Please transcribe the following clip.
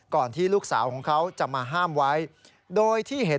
ก่อนที่ลูกสาวของเขาจะมาห้ามไว้